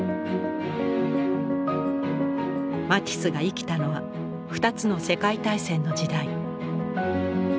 マティスが生きたのは２つの世界大戦の時代。